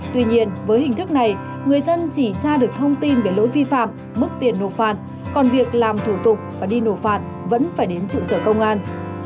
tuy nhiên với hình thức này người dân chỉ tra được thông tin về lỗi vi phạm mức tiền nộp phạt còn việc làm thủ tục và đi nộp phạt vẫn phải đến trụ sở công an